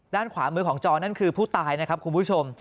ด้านขวามือของจอนั่นคือผู้ตายนะครับคุณผู้ชม